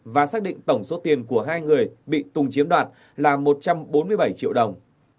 và xác định tổng số tiền của hai người bị tùng chiếm đoạt là một trăm bốn mươi bảy triệu đồng